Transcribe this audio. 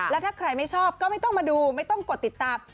แล้วถ้าใครไม่ชอบก็ไม่ต้องมาดูไม่ต้องกดติดตาม